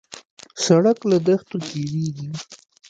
سړک له دښتو تېرېږي.